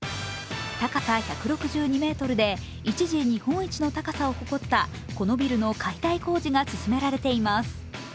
高さ１６２ｍで一時日本一の高さを誇ったこのビルの解体工事が進められています。